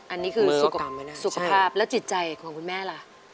อันนี้คือสุขภาพและจิตใจของคุณแม่ล่ะ